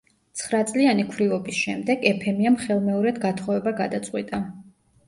ცხრაწლიანი ქვრივობის შემდეგ ეფემიამ ხელმეორედ გათხოვება გადაწყვიტა.